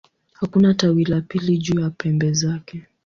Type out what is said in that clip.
Hakuna tawi la pili juu ya pembe zake.